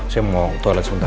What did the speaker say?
saya mau toilet sebentar